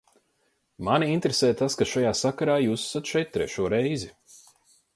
Mani interesē tas, ka šajā sakarā jūs esat šeit trešo reizi.